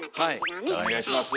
お願いします。